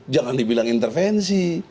jangan dibilang intervensi